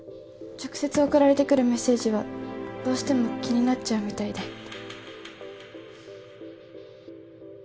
直接送られてくるメッセージはどうしても気になっちゃうみたいで。